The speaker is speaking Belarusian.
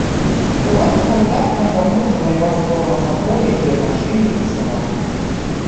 У гэтых гарадах ён плануе намаляваць творы мастакоў, якія там жылі і працавалі.